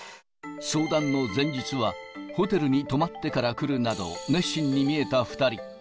相談の前日は、ホテルに泊まってから来るなど、熱心に見えた２人。